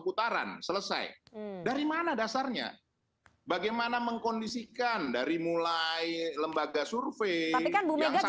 putaran selesai dari mana dasarnya bagaimana mengkondisikan dari mulai lembaga survei yang saya